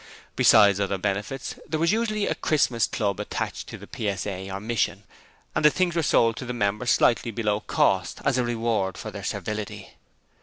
Besides other benefits there was usually a Christmas Club attached to the 'PSA' or 'Mission' and the things were sold to the members slightly below cost as a reward for their servility.